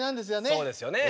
そうですよね。